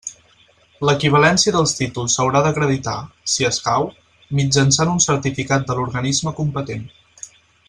L'equivalència dels títols s'haurà d'acreditar, si escau, mitjançant un certificat de l'organisme competent.